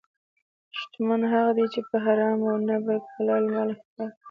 شتمن هغه دی چې په حرامو نه، بلکې حلال مال افتخار کوي.